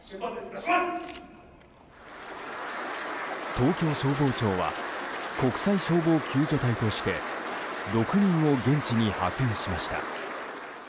東京消防庁は国際消防救助隊として６人を現地に派遣しました。